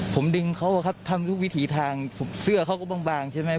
ผมดึงเขาอะครับทำทุกวิถีทางเสื้อเขาก็บางใช่ไหม